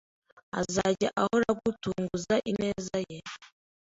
azajya ahora agutunguza ineza ye,